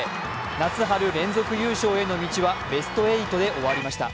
夏春連続優勝への道はベスト８で終わりました。